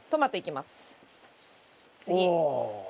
次。